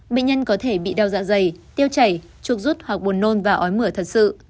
bệnh nhân có thể bị đau dạ dày tiêu chảy trục rút hoặc buồn nôn và ói mửa thật sự